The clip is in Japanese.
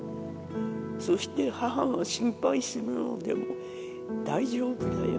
そして母が心配するのでも大丈夫だよ